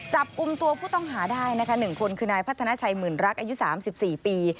จับกลุ่มตัวผู้ต้องหาได้นะคะ๑คนคือนายพัฒนาชัยหมื่นรักอายุ๓๔ปี